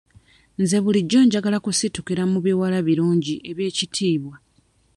Nze bulijjo njagala kusitukira mu biwala birungi eby'ekitiibwa.